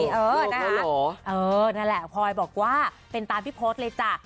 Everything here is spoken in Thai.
โคลเฮลูโคลเฮลูโอ้นั่นแหละพลอยบอกว่าเป็นตามที่โพสต์เลยจ้ะ